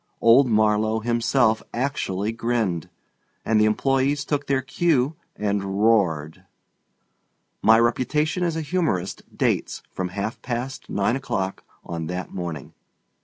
Old Marlowe himself actually grinned, and the employees took their cue and roared. My reputation as a humorist dates from half past nine o'clock on that morning.